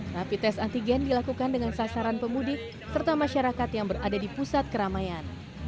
rapi tes antigen dilakukan dengan sasaran pemudik serta masyarakat yang berada di pusat keramaian